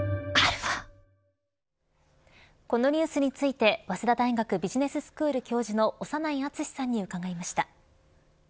このニュースについて早稲田大学ビジネススクール教授の長内厚さんに伺いました。